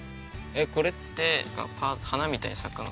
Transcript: これって花みたいに咲くの？